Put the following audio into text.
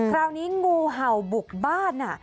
คราวนี้งูเห่าบุกบ้าน